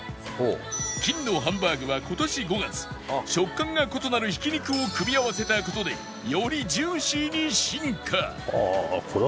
金のハンバーグは今年５月食感が異なる挽き肉を組み合わせた事でよりジューシーに進化